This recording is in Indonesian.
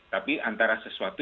tapi antara sesuatu